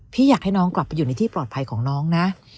อยากให้น้องกลับไปอยู่ในที่ปลอดภัยของน้องนะ